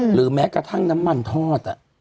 หรือแม้กระทั่งน้ำมันทอด